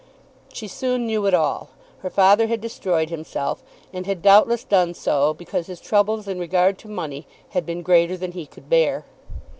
She soon knew it all. Her father had destroyed himself, and had doubtless done so because his troubles in regard to money had been greater than he could bear.